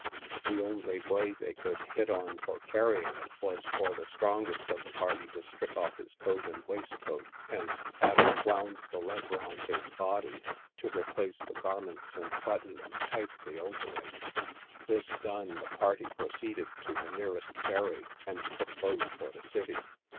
The only way they could hit on for carrying it was for the strongest of the party to strip off his coat and waistcoat, and having wound the lead round his body, to replace the garments and button them tightly over it. This done, the party proceeded to the nearest ferry, and took boat for the city.